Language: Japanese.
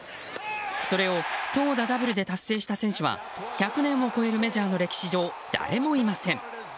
それを投打ダブルで達成した選手は１００年を超えるメジャーの歴史上、誰もいません。